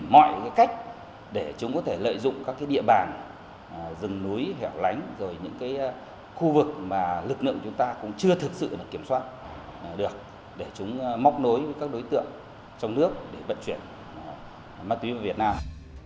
mọi cách để chúng có thể lợi dụng các địa bàn rừng núi hẻo lánh rồi những khu vực mà lực lượng chúng ta cũng chưa thực sự kiểm soát được để chúng móc nối với các đối tượng trong nước để vận chuyển ma túy vào việt nam